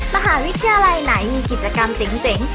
มหาวิทยาลัยไหนมีกิจกรรมเจ๋ง